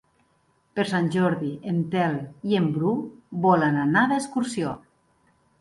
Per Sant Jordi en Telm i en Bru volen anar d'excursió.